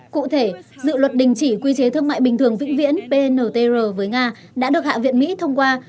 cụ thể dự luật đình chỉ quy chế thương mại bình thường vĩnh viễn pr với nga đã được hạ viện mỹ thông qua